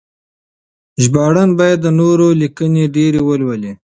ژباړن باید د نورو لیکنې ډېرې ولولي.